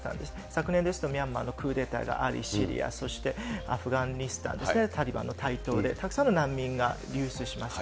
昨年ですと、ミャンマーのクーデターがあり、シリア、アフガニスタンですね、タリバンの台頭で、たくさんの難民が流出しました。